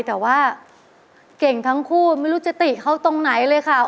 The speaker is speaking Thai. แต่ว่าเก่งทั้งคู่ไม่รู้จะติเขาตรงไหนเลยค่ะ